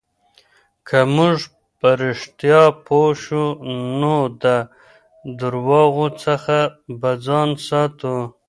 که موږ په رښتیا پوه شو، نو د درواغو څخه به ځان ساتو.